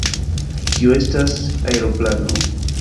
Kio estas aeroplano?